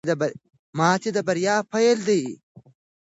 ماتې د بریا پیل دی.